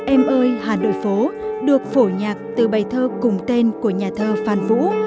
em ơi hà nội phố được phổ nhạc từ bài thơ cùng tên của nhà thơ phan vũ